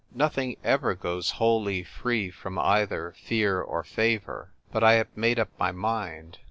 Nothing ever goes wholly free from either fear or favour. But I have made up my mind.